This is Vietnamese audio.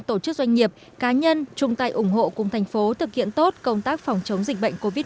tổ chức doanh nghiệp cá nhân trung tài ủng hộ cùng thành phố thực hiện tốt công tác phòng chống dịch bệnh covid một mươi chín